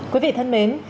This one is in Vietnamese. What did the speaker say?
quý vị thân mến